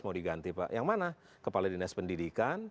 mau diganti pak yang mana kepala dinas pendidikan